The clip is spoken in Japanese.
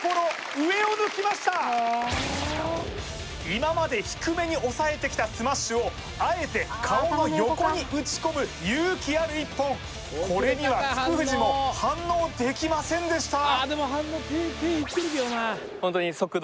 今まで低めにおさえてきたスマッシュをあえて顔の横に打ち込む勇気ある一本これには福藤も反応できませんでした